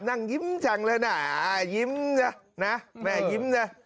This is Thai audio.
นั่งยิ้มจังเลยนะยิ้มนะนะแม่ยิ้มนะ